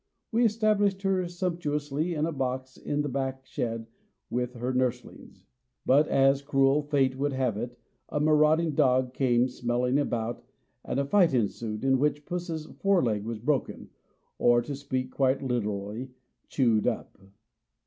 We established her sumptuously in a box in the back shed with her nurslings; but, as cruel Fate would have it, a marauding dog came smelling about, and a fight ensued, in which Puss's fore leg was broken, or, to speak quite literally, chewed up.